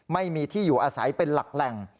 ไม่มีที่อยู่อาศัยเป็นหลักแหล่ง